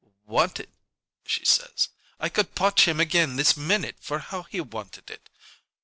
"'Wanted,' she says. I could potch him again this minute for how he wanted it!